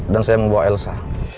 dan saya membawa elsa